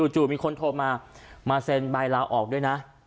มีคนโทรมามาเซ็นใบลาออกด้วยนะ